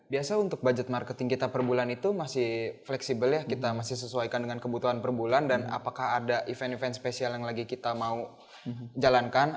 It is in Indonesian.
biasa untuk budget marketing kita per bulan itu masih fleksibel ya kita masih sesuaikan dengan kebutuhan per bulan dan apakah ada event event spesial yang lagi kita mau jalankan